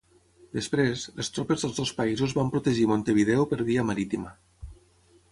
Després, les tropes dels dos països van protegir Montevideo per via marítima.